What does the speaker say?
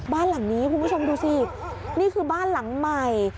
บ้านหลังนี้คุณผู้ชมดูสินี่คือบ้านหลังใหม่